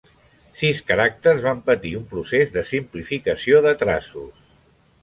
Sis caràcters van patir un procés de simplificació de traços.